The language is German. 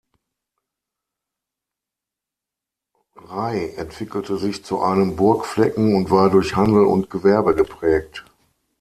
Ray entwickelte sich zu einem Burgflecken und war durch Handel und Gewerbe geprägt.